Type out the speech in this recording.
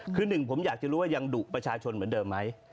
คือหนึ่งผมอยากจะรู้ว่ายังดุประชาชนเหมือนเดิมไหม